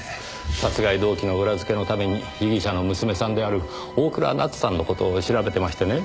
殺害動機の裏付けのために被疑者の娘さんである大倉奈津さんの事を調べてましてね。